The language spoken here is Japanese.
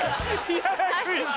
嫌なクイズ！